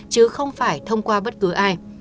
chứ không phải thông qua bất cứ ai